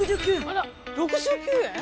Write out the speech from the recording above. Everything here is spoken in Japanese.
あらっ６９円！？